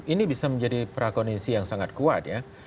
ini bisa menjadi prakondisi yang sangat kuat ya